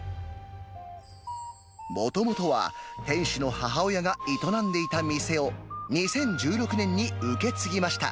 もともとは店主の母親が営んでいた店を、２０１６年に受け継ぎました。